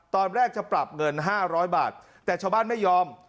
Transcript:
ตอนแรกจะปรับเงิน๕๐๐บาทแต่ชาวบ้านไม่ยอม